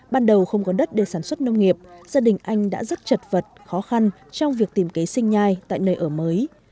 ban đầu không có đất để sản xuất nông nghiệp gia đình anh đã rất chật vật khó khăn trong việc tìm kế sinh nhai tại nơi ở mới